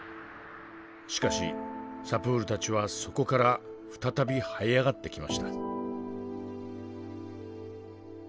しかしサプールたちはそこから再びはい上がってきました。